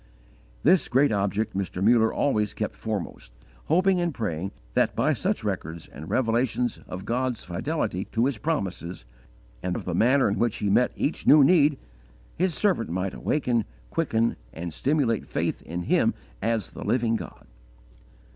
_ This great object Mr. Muller always kept foremost, hoping and praying that, by such records and revelations of God's fidelity to His promises, and of the manner in which He met each new need, his servant might awaken, quicken, and stimulate faith in Him as the Living God.